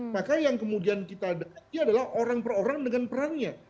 maka yang kemudian kita dekati adalah orang per orang dengan perannya